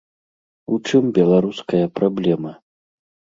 У чым беларуская праблема?